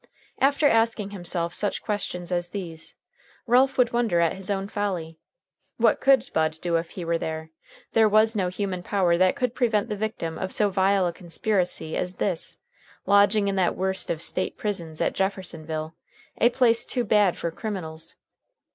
After asking himself such questions as these, Ralph would wonder at his own folly. What could Bud do if he were there? There was no human power that could prevent the victim of so vile a conspiracy as this, lodging in that worst of State prisons at Jeffersonville, a place too bad for criminals.